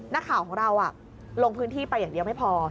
นักข่าวของเราลงพื้นที่ไปอย่างเดียวไม่พอ